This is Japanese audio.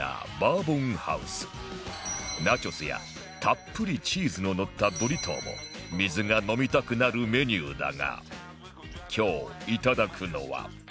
ナチョスやたっぷりチーズののったブリトーも水が飲みたくなるメニューだが今日いただくのは